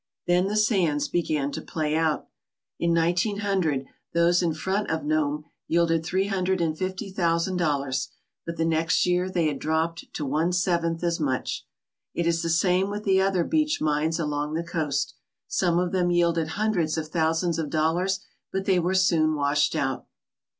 Then the sands began to play out. In 1900 those in front of Nome yielded three hundred and fifty thousand dollars, but the next year they had dropped to one seventh as much. It is the same with the other beach mines along the coast. Some of them yielded hundreds of thousands of dollars, but they were soon washed out.